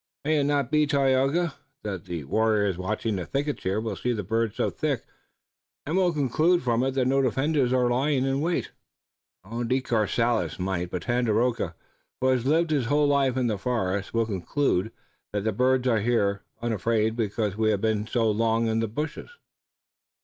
"May it not be, Tayoga, that the warriors watching the thickets here will see the birds so thick, and will conclude from it that no defenders are lying in wait?" "De Courcelles might, but Tandakora, who has lived his whole life in the forest, will conclude that the birds are here, unafraid, because we have been so long in the bushes."